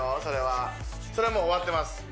それはそれはもう終わってます